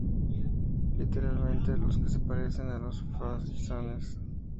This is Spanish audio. Literalmente: 'los que se parecen a los faisanes'.